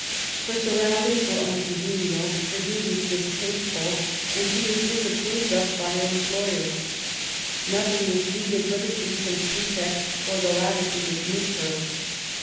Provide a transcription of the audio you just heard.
Her surroundings were uncongenial, her duties distasteful, and she was disapproved of by her employer. Nothing was needed but a decent pretext for the latter to dismiss her.